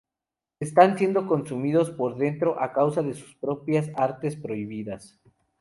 Están siendo consumidos por dentro a causa de sus propias artes prohibidas.